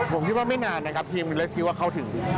ผมคิดว่าไม่นานทีมมีเล็กสกิลว่าเข้าถึง